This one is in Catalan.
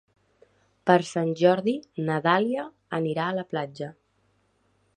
Per Sant Jordi na Dàlia anirà a la platja.